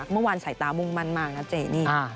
เมื่อวานสายตามุ่งมั่นมากนะเจนี่